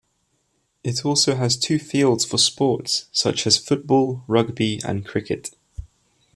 It also has two fields for sports such as football, rugby and cricket.